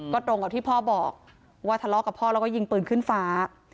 ก็ตรงกับที่พ่อบอกว่าทะเลาะกับพ่อแล้วก็ยิงปืนขึ้นฟ้า